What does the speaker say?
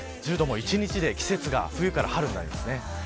一日で季節が冬から春になります。